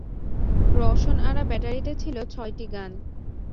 রওশন আরা ব্যাটারিতে ছিল ছয়টি গান।